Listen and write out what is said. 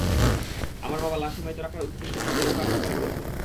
আমার বাবা লাশ হিমায়িত রাখার উৎকৃষ্ট একটা পন্থা আবিষ্কার করেছিলেন।